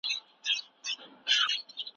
پوهاوی د مخنیوي لومړۍ لار ده.